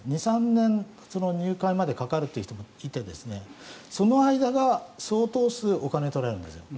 ２３年入会までかかるという人もいてその間が相当数お金を取られるんですよ。